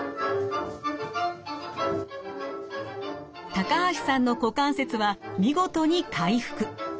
高橋さんの股関節は見事に回復。